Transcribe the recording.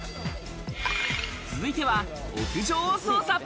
続いては屋上を捜査。